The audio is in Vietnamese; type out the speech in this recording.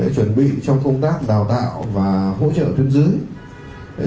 chuẩn bị trong công tác đào tạo và hỗ trợ thân dưới